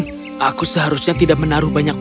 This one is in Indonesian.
jika aku sudah taruh banyak